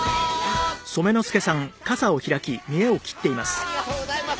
ありがとうございます。